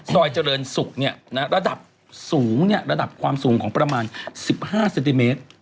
เจริญศุกร์ระดับสูงระดับความสูงของประมาณ๑๕เซนติเมตร